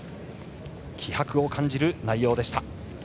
気迫を感じる内容でした。